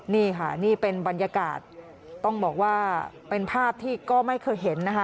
นี่ค่ะนี่เป็นบรรยากาศต้องบอกว่าเป็นภาพที่ก็ไม่เคยเห็นนะคะ